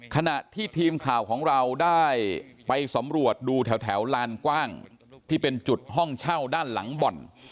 ขณะที่ทีมข่าวของเราได้ไปสำรวจดูแถวลานกว้างที่เป็นจุดห้องเช่าด้านหลังบ่อน